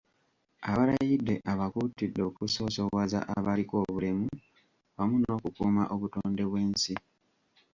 Abalayidde abakuutidde okusoosowaza abaliko obulemu wamu n’okukuuma obutonde bw’ensi.